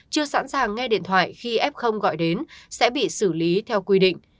chưa sẵn sàng nghe điện thoại khi f gọi đến sẽ bị xử lý theo quy định